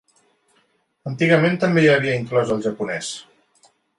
Antigament també hi havia inclòs el japonès.